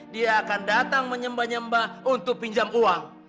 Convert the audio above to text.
dia akan datang menyembah nyembah untuk pinjam uang